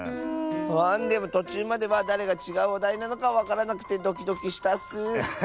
あでもとちゅうまではだれがちがうおだいなのかわからなくてドキドキしたッス！